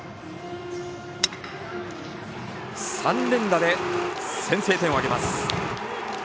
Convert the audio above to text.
３連打で、先制点を挙げます。